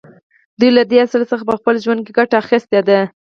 دوی له دې اصل څخه په خپل ژوند کې ګټه اخیستې ده